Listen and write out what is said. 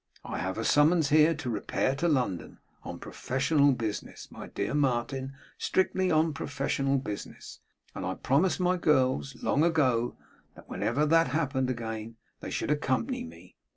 'I have a summons here to repair to London; on professional business, my dear Martin; strictly on professional business; and I promised my girls, long ago, that whenever that happened again, they should accompany me.